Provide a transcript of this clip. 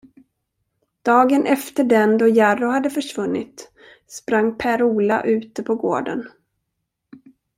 Dagen efter den, då Jarro hade försvunnit, sprang Per Ola ute på gården.